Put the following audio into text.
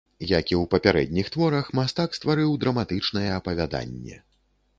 Як і ў папярэдніх творах, мастак стварыў драматычнае апавяданне.